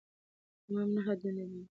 امام نهه دندې لري.